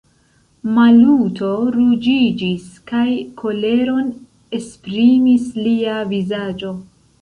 Maluto ruĝiĝis, kaj koleron esprimis lia vizaĝo.